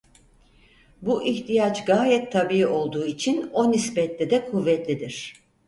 Bu ihtiyaç gayet tabiî olduğu için o nispette de kuvvetlidir.